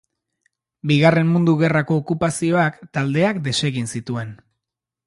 Bigarren Mundu Gerrako okupazioak taldeak desegin zituen.